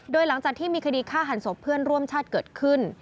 โดยหลังจากที่มีคดีฆ่าหันศพเพื่อนร่วมชาติเกิดขึ้น